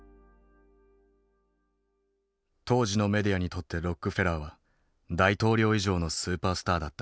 当時のメディアにとってロックフェラーは大統領以上のスーパースターだった。